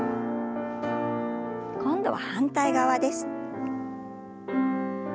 今度は反対側です。